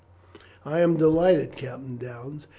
"I am delighted, Captain Downes.